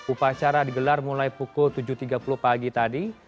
upacara digelar mulai pukul tujuh tiga puluh pagi tadi